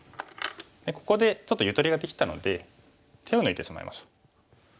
ここでちょっとゆとりができたので手を抜いてしまいましょう。